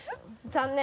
残念。